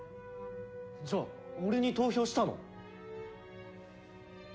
じゃあ俺に投票したの？